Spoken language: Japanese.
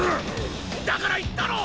だから言ったろ！